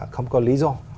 không có lý do